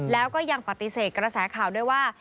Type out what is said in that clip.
แล้วก็ยังปฏิเสธกระแสข่าวด้วยว่า